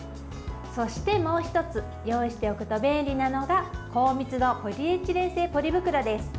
そして、もう１つ用意しておくと便利なのが高密度ポリエチレン製ポリ袋です。